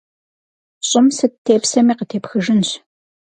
Щӏым сыт тепсэми, къытепхыжынщ.